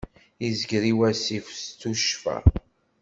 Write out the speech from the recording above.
Izger i wassif s tuccfa.